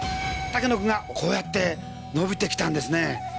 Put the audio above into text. タケノコがこうやって伸びてきたんですね。